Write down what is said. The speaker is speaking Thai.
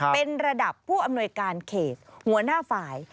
เป็นระดับผู้อำนวยการเขตหัวหน้าฝ่าย